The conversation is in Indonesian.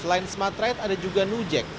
selain smartride ada juga nujek